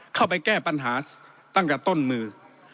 เข้าไปแก้ปัญหาตั้งแต่ต้นมือ